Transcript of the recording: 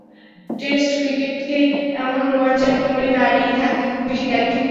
Test ক্রিকেটকে এমন রোমাঞ্চের মোড়ে দাঁড়িয়ে থাকতে খুব বেশি দেখেননি তিনি।